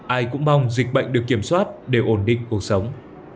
ai cũng mong dịch bệnh được kiểm soát để ổn định cuộc sống